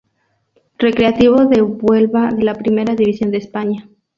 Recreativo de Huelva de la Primera División de España.